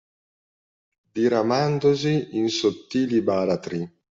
Diramandosi in sottili baratri